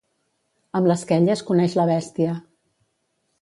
Amb l'esquella es coneix la bèstia.